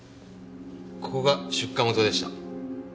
ここが出火元でした。